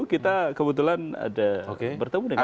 kita kebetulan ada bertemu dengan kapolri langsung